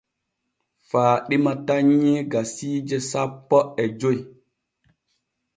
Faaɗima tannyii gasiije sapo e joy.